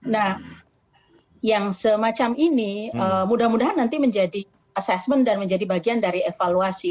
nah yang semacam ini mudah mudahan nanti menjadi assessment dan menjadi bagian dari evaluasi